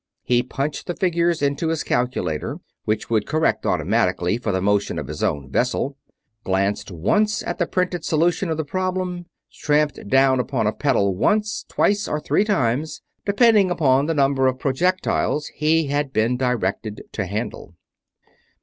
He punched the figures into his calculator, which would correct automatically for the motion of his own vessel glanced once at the printed solution of the problem tramped down upon a pedal once, twice, or three times, depending upon the number of projectiles he had been directed to handle.